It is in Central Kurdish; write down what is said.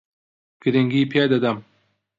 گرنگی پێ دەدەم.